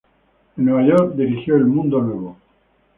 En Nueva York dirigió "El Mundo Nuevo".